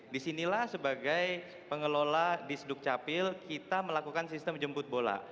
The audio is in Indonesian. disinilah sebagai pengelola di sdukcapil kita melakukan sistem jemput bola